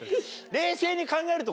冷静に考えると。